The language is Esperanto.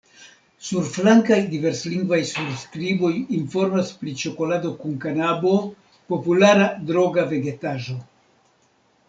Surflankaj diverslingvaj surskriboj informas pri ĉokolado kun kanabo – populara droga vegetaĵo.